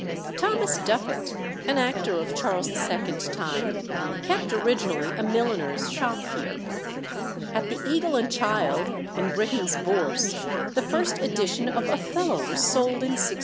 Thomas Duffet, an actor of Charles II.'s time, kept originally a milliner's shop here. At the Eagle and Child, in Britain's Bourse, the first edition of Othello was sold in 1622.